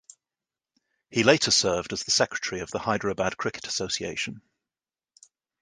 He later served as the secretary of the Hyderabad Cricket Association.